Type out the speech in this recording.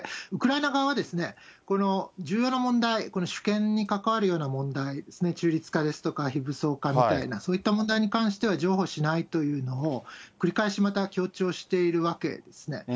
ウクライナ側は、この重要な問題、主権に関わるような問題ですね、中立化ですとか、非武装化みたいな、そういった問題に関しては、譲歩しないというのを、繰り返しまた強調しているわけですね。